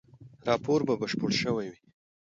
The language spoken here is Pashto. راپور به بشپړ شوی وي.